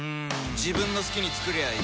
自分の好きに作りゃいい